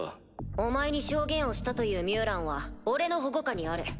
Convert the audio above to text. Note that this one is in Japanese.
お前に証言をしたというミュウランは俺の保護下にある。